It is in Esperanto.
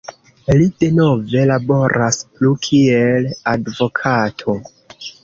Li denove laboras plu kiel advokato.